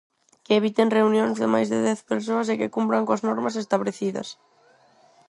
Que eviten reunións de máis de dez persoas e que cumpran coas normas establecidas.